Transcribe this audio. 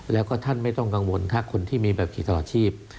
แล้วก็ท่านไม่ต้องกังวลถ้าคนที่มีแบบขี่ตลอดชีพ